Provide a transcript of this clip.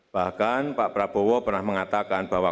bahkan pak prabowo pernah mengatakan bahwa